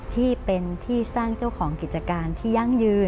ที่เป็นที่สร้างเจ้าของกิจการที่ยั่งยืน